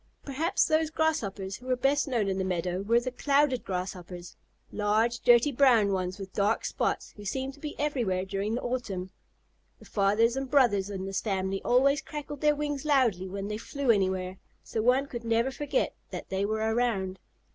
Perhaps those Grasshoppers who were best known in the meadow were the Clouded Grasshoppers, large dirty brown ones with dark spots, who seemed to be everywhere during the autumn. The fathers and brothers in this family always crackled their wings loudly when they flew anywhere, so one could never forget that they were around.